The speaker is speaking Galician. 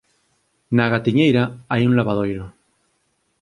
Na Gatiñeira hai un lavadoiro.